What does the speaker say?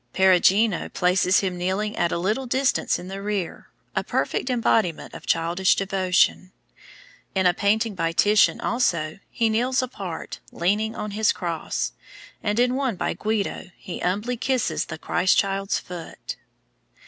Perugino places him kneeling at a little distance in the rear, a perfect embodiment of childish devotion. In a painting by Titian, also, he kneels apart, leaning on his cross, and in one by Guido, he humbly kisses the Christ child's foot.